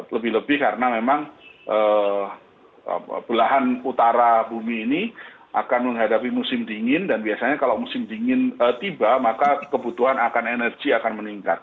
lebih lebih karena memang belahan utara bumi ini akan menghadapi musim dingin dan biasanya kalau musim dingin tiba maka kebutuhan akan energi akan meningkat